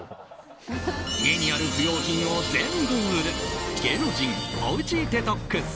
家にある不用品を全部売る芸能人おうちデトックス。